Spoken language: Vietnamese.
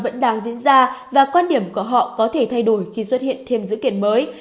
vẫn đang diễn ra và quan điểm của họ có thể thay đổi khi xuất hiện thêm dữ kiện mới